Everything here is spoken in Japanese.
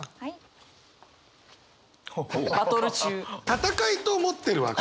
戦いと思ってるわけ。